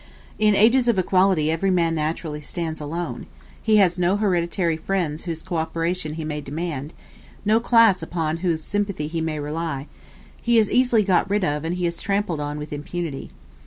In ages of equality every man naturally stands alone; he has no hereditary friends whose co operation he may demand no class upon whose sympathy he may rely: he is easily got rid of, and he is trampled on with impunity.